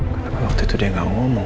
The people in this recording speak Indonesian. kenapa waktu itu dia gak ngomong